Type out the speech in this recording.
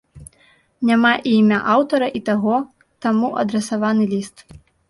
Няма і імя аўтара і таго, таму адрасаваны ліст.